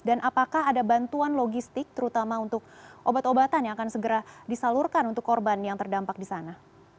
dan apakah ada bantuan logistik terutama untuk obat obatan yang akan segera disalurkan untuk korban yang terdampak di sana